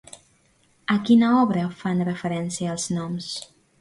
A quina obra fan referència els noms?